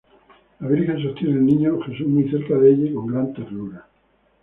La Virgen sostiene al Niño Jesús muy cerca de ella, y con gran ternura.